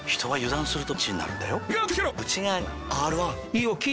はい。